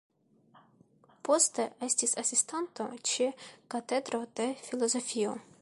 Poste estis asistanto ĉe katedro de filozofio.